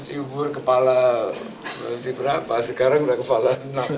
mas yubur kepala berarti berapa sekarang udah kepala enam